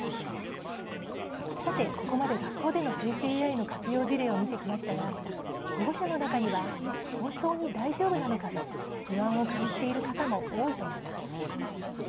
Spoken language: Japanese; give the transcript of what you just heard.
さて、ここまで学校での生成ＡＩの活用事例を見てきましたが保護者の中には本当に大丈夫なのかと不安を感じている方も多いと思います。